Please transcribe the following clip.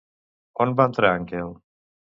On va entrar en Quel?